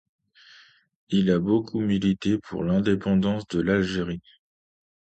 Il a beaucoup milité pour l'Indépendance de l'Algérie.